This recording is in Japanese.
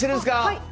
はい！